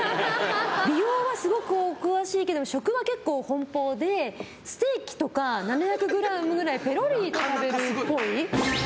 美容はすごくお詳しいけども食は結構奔放でステーキとか７００ｇぐらいペロリ食べるっぽい。